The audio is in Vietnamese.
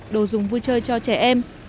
đồ dùng vui chơi cho trẻ em